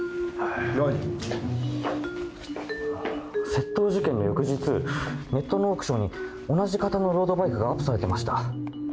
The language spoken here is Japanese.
窃盗事件の翌日ネットのオークションに同じ型のロードバイクがアップされてました。